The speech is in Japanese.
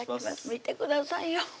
見てくださいよ